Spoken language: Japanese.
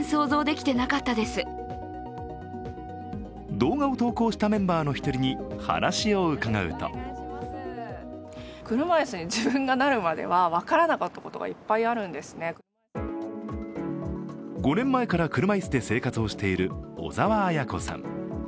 動画を投稿したメンバーの１人に話を伺うと５年前から車椅子で生活をしている小澤綾子さん。